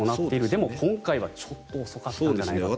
でも今回はちょっと遅かったんじゃないかと。